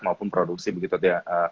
maupun produksi begitu yang